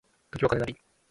時は金なり